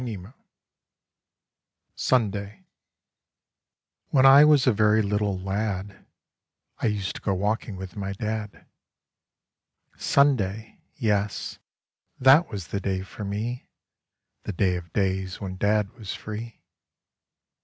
[«»] SUNDAY \17HEN I was a very little lad \^ I used to go walking with my Dad. Sunday I yes, that was the day for me, The day of days, when Dad was free.